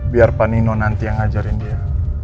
biar pak nino nanti yang ngajarin dia